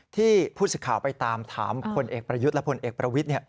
ผู้สิทธิ์ข่าวไปตามถามพลเอกประยุทธ์และผลเอกประวิทธิ